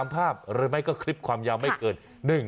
ภาพหรือไม่ก็คลิปความยาวไม่เกิน